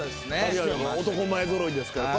男前揃いですから。